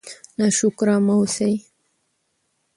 ناشکره مه اوسئ.